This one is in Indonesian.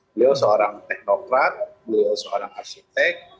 beliau seorang teknokrat beliau seorang arsitek